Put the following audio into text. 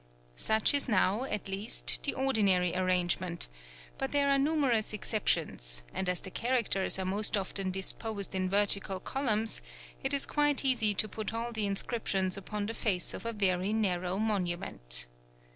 Such is now, at least, the ordinary arrangement; but there are numerous exceptions; and as the characters are most often disposed in vertical columns, it is quite easy to put all the inscriptions upon the face of a very narrow monument.